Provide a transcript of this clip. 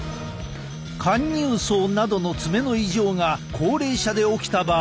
陥入爪などの爪の異常が高齢者で起きた場合。